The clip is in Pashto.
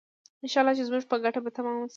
انشاالله چې زموږ په ګټه به تمام شي.